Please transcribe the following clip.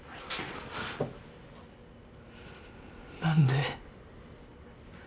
何で？